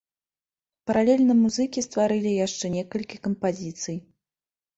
Паралельна музыкі стварылі яшчэ некалькі кампазіцый.